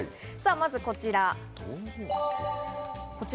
まずはこちら。